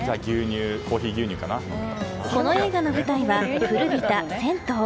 この映画の舞台は古びた銭湯。